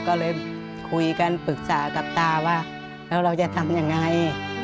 ก็เลยคุยกันปรึกษากับตาว่าแล้วเราจะทำยังไง